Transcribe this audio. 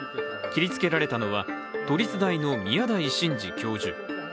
切りつけられたのは都立大の宮台真司教授。